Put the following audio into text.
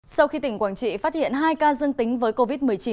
sau khi tỉnh quảng trị phát hiện hai ca dương tính với covid một mươi chín